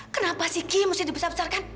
kenapa sih ki mesti dibesarkan